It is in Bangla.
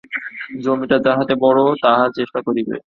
জমিটা যাহাতে বড় হয়, তাহার চেষ্টা করিবে।